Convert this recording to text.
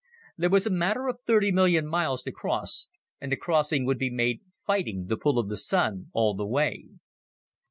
There was a matter of thirty million miles to cross, and the crossing would be made fighting the pull of the Sun all the way.